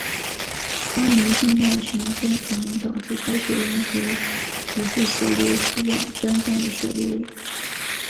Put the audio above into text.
肝门静脉栓塞可能导致高血压和阻滞血流输往肝脏的血流。